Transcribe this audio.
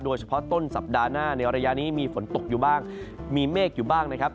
โดยเฉพาะต้นสัปดาห์หน้าในระยะนี้มีฝนตกอยู่บ้างมีเมฆอยู่บ้างนะครับ